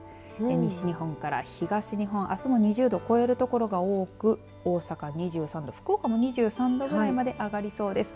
西日本から東日本、あすも２０度を超える所が多く大阪２３度、福岡も２３度ぐらいまで上がりそうです。